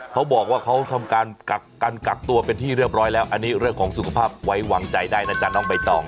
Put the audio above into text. เขาบอกว่าเขาทำการกักกันกักตัวเป็นที่เรียบร้อยแล้วอันนี้เรื่องของสุขภาพไว้วางใจได้นะจ๊ะน้องใบตอง